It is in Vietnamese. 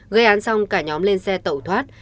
gây án xong cả nhóm lên xe tẩu thoát